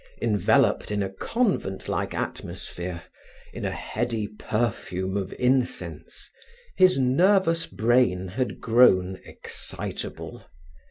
Enveloped in a convent like atmosphere, in a heady perfume of incense, his nervous brain had grown excitable.